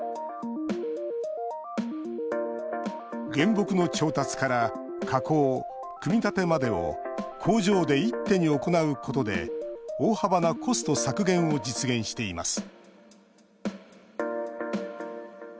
原木の調達から加工、組み立てまでを工場で一手に行うことで大幅なコスト削減を実現しています